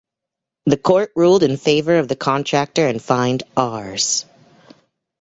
The court ruled in favor of the contractor and fined Rs.